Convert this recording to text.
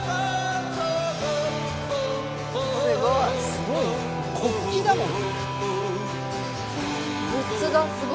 すごいな国旗だもん。